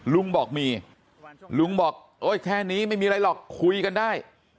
ลุงบอกมีลุงบอกโอ๊ยแค่นี้ไม่มีอะไรหรอกคุยกันได้